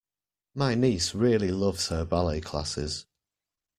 My niece really loves her ballet classes